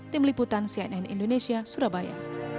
tim liputan cnn indonesia surabaya